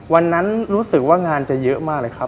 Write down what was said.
วันนั้นรู้สึกว่างานจะเยอะมากเลยครับ